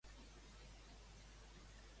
Com es diu aquest lloc en la religió musulmana?